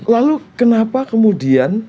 lalu kenapa kemudian